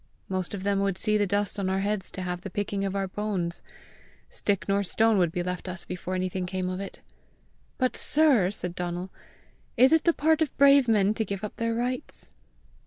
Most of them would see the dust on our heads to have the picking of our bones! Stick nor stone would be left us before anything came of it!" "But, sir," said Donal, "is it the part of brave men to give up their rights?"